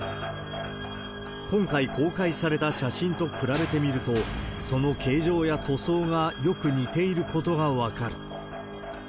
今回公開された写真と比べてみると、その形状や塗装がよく似ていることが分かる。